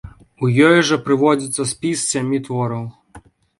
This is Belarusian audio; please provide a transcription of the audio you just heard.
У ёй жа прыводзіцца спіс з сямі твораў.